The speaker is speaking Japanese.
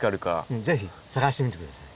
ぜひ探してみてください。